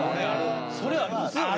それありますよね？